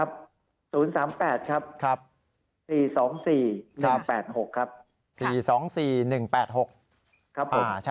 พูดทั้งหมด